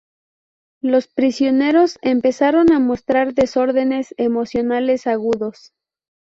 Los prisioneros empezaron a mostrar desórdenes emocionales agudos.